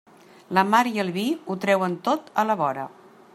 La mar i el vi ho treuen tot a la vora.